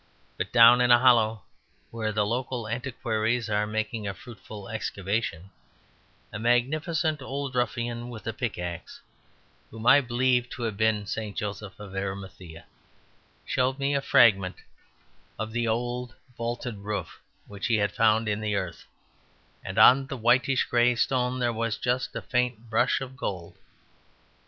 But down in a hollow where the local antiquaries are making a fruitful excavation, a magnificent old ruffian with a pickaxe (whom I believe to have been St. Joseph of Arimathea) showed me a fragment of the old vaulted roof which he had found in the earth; and on the whitish grey stone there was just a faint brush of gold.